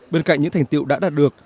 bên cạnh những thành tiệu đã đạt được